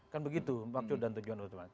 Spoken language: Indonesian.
kan begitu maksud dan tujuan utama